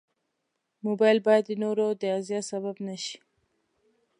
موبایل باید د نورو د اذیت سبب نه شي.